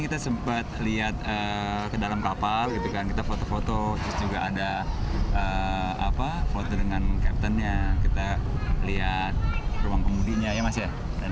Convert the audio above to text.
kita sempat lihat ke dalam kapal gitu kan kita foto foto terus juga ada foto dengan captainnya kita lihat ruang pengemudinya ya mas ya